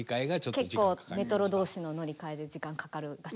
結構メトロ同士の乗り換えで時間かかるがち。